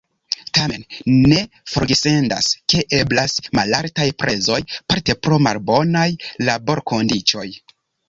Tamen ne forgesendas, ke eblas malaltaj prezoj parte pro malbonaj laborkondiĉoj.